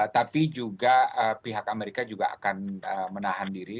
tapi juga pihak amerika juga akan menahan diri